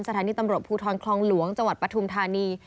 สถานีตำรวจภูทรคลองหลวงจังหวัดปฐุมธานี